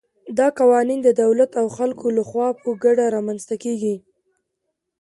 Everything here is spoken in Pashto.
دا قوانین د دولت او خلکو له خوا په ګډه رامنځته کېږي.